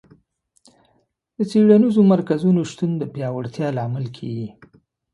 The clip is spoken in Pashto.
د څېړنیزو مرکزونو شتون د پیاوړتیا لامل کیږي.